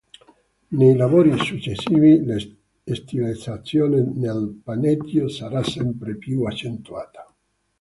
Nei lavori successivi la stilizzazione del panneggio sarà sempre più accentuata.